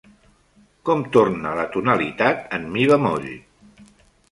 Com torna la tonalitat en mi bemoll?